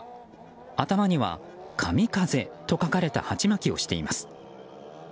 頭には、「神風」と書かれた鉢巻きをしています。